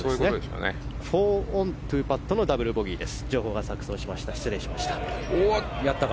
４オン、２パットのダブルボギーです。